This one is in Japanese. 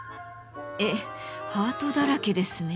えっハートだらけですね。